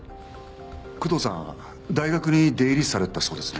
工藤さん大学に出入りされてたそうですね。